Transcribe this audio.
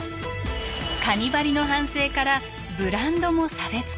カニバリの反省からブランドも差別化。